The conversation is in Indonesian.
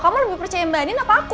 kamu lebih percaya mbak nin apa aku